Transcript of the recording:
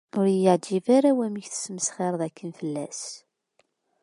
Ur yi-yeεǧib ara wamek tesmesxireḍ akken fell-as.